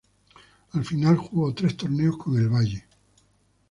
Al final jugó tres torneos con el Valle.